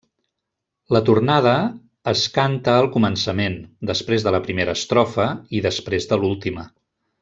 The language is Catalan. La tornada es canta al començament, després de la primera estrofa i després de l'última.